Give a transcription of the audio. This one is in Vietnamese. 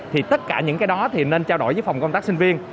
thì tất cả những cái đó thì nên trao đổi với phòng công tác sinh viên